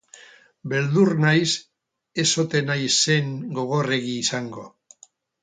Beldur naiz ez ote naizen gogorregi izango.